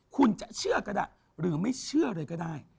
คุณจะเชื่อก็ได้หรือไม่เชื่อเลยก็ได้